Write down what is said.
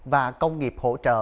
và công nghiệp hỗ trợ